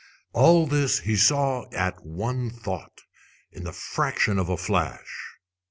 All this he saw at one thought, in the fraction of a flash.